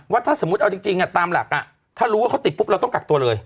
ถ้าสมมุติเอาจริงตามหลักถ้ารู้ว่าเขาติดปุ๊บเราต้องกักตัวเลย